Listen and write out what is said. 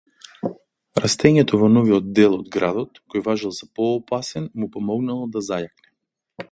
Растењето во новиот дел од градот, кој важел за поопасен, му помогнално да зајакне.